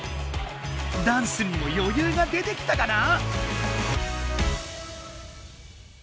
ダンスにもよゆうが出てきたかな？